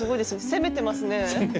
攻めてますね。